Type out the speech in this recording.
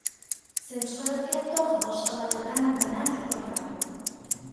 • Sen chiqayotgan tog‘ boshqalaridan baland ko‘rinadi.